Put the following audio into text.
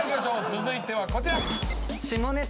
続いてはこちら。